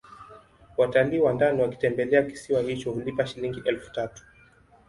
Watalii wa ndani wakitembelea kisiwa hicho hulipa Shilingi elfu tatu